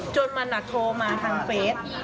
จนมันโทรมาทางเฟส